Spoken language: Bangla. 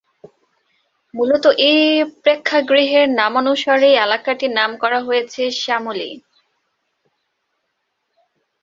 মূলত এই প্রেক্ষাগৃহের নামানুসারেই এলাকাটির নামকরণ করা হয়েছে "শ্যামলী"।